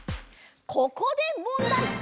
ここでもんだい！